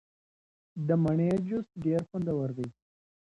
د مڼې جوس ډیر خوندور دی.